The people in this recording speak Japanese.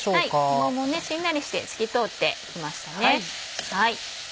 ごぼうもしんなりして透き通ってきましたね。